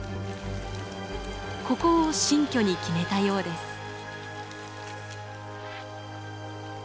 ここを新居に決めたようです。